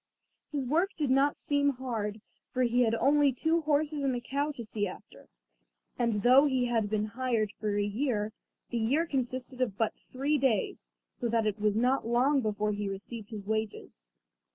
His work did not seem hard, for he had only two horses and a cow to see after, and though he had been hired for a year, the year consisted of but three days, so that it was not long before he received his wages.